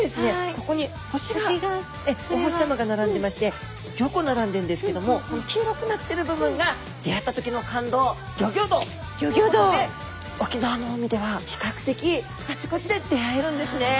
ここに星がお星さまが並んでまして５個並んでんですけどもこの黄色くなってる部分が出会った時の感動ギョギョ度っていうことで沖縄の海では比較的あちこちで出会えるんですね。